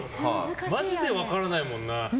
マジで分からないもんね。